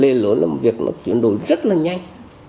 lề lối làm việc nó chuyển đổi rất là nhanh